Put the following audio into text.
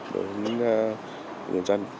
đến người dân